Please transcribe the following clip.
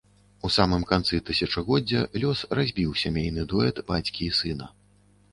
У самым канцы тысячагоддзя лёс разбіў сямейны дуэт бацькі і сына.